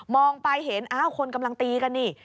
มองไปเห็นคนกำลังตีกันนี่